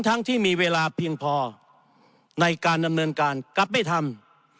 ทั้งที่มีเวลาเพียงพอในการดำเนินการกลับไม่ทำ